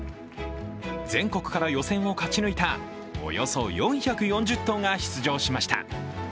全国から予選を勝ち抜いたおよそ４４０頭が出場しました。